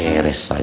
dan berlangganan ya